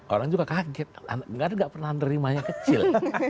orang juga kaget karena gak pernah nerimanya kecil